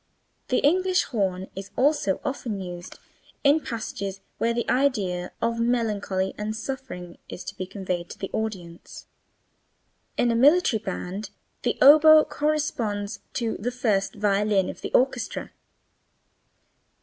The English horn is also often used in passages where the idea of melancholy and suffering is to be conveyed to the audience. In a military band the oboe corresponds to the first violin of the orchestra.